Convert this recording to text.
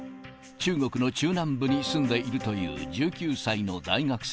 中国の中南部に住んでいるという１９歳の大学生。